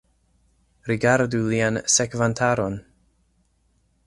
Rigardu lian sekvantaron!